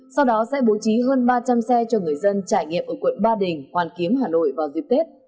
sau đó sẽ bố trí hơn ba trăm linh xe cho người dân trải nghiệm ở quận ba đình hoàn kiếm hà nội vào dịp tết